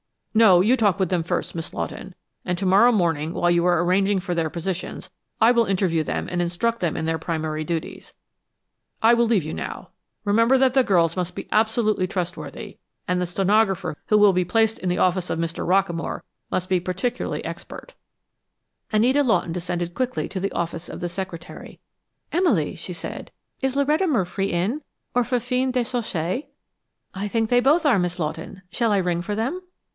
"No, you talk with them first, Miss Lawton, and to morrow morning while you are arranging for their positions I will interview them and instruct them in their primary duties. I will leave you now. Remember that the girls must be absolutely trustworthy, and the stenographer who will be placed in the office of Mr. Rockamore must be particularly expert." After the detective had taken his departure, Anita Lawton descended quickly to the office of the secretary. "Emily," she asked, "is Loretta Murfree in, or Fifine Déchaussée?" "I think they both are, Miss Lawton. Shall I ring for them?"